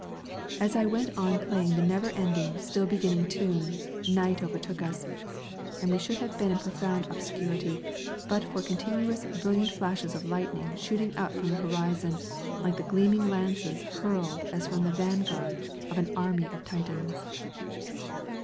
As I went on playing the never ending, still beginning tune, night overtook us, and we should have been in profound obscurity but for continuous brilliant flashes of lightning shooting up from the horizon, like the gleaming lances hurled as from the vanguard of an army of Titans.